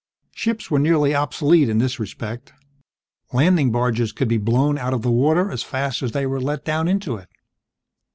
Ships were nearly obsolete in this respect. Landing barges could be blown out of the water as fast as they were let down into it.